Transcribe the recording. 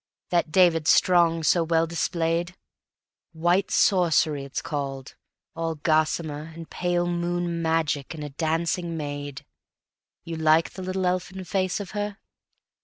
That David Strong so well displayed, "White Sorcery" it's called, all gossamer, And pale moon magic and a dancing maid (You like the little elfin face of her?)